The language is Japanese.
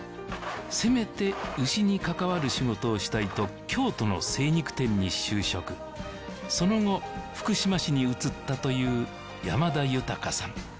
せめて牛に関わる仕事をしたいと京都の精肉店に就職その後福島市に移ったという山田豊さん